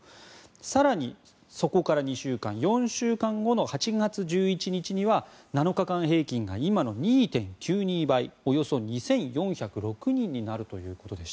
更に、そこから２週間４週間後の８月１１日には７日間平均が今の２．９２倍およそ２４０６人になるということです。